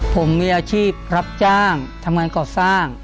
ผมมีอาชีพรับจ้างทำงานก่อสร้าง